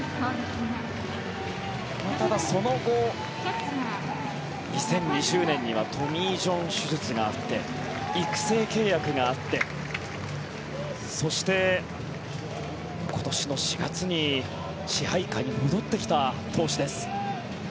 ただ、その後、２０２０年にはトミー・ジョン手術があって育成契約があってそして、今年の４月に支配下に戻ってきた投手です。